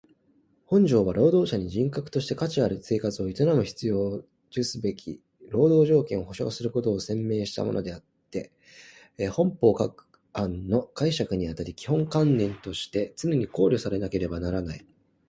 本条は労働者に人格として価値ある生活を営む必要を充すべき労働条件を保障することを宣明したものであつて本法各条の解釈にあたり基本観念として常に考慮されなければならない。